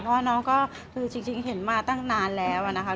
เพราะว่าน้องก็คือจริงเห็นมาตั้งนานแล้วนะคะ